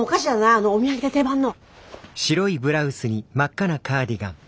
あのお土産が定番の。